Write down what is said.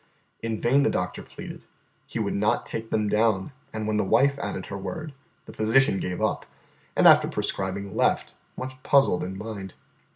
In vain the doctor pleaded; he would not take them down, and when the wife added her word, the physician gave up, and after prescribing, left, much puzzled in mind.